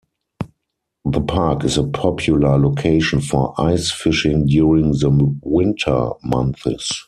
The park is a popular location for ice fishing during the winter months.